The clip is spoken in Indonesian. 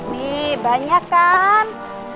nih banyak kan